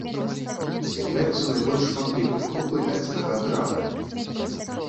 З'яўляюцца найбольш шматлікай групай дадзенага атрада.